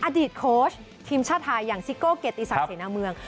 อดีตโค้ชทีมชาติไทยอย่างซิโก้เกรดตีศักดิ์เสนอเมือง